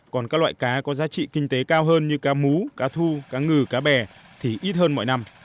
còn các loại cá có giá trị kinh tế cao hơn như cá mú cá thu cá ngừ cá bè thì ít hơn mọi năm